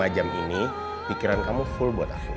lima jam ini pikiran kamu full buat aku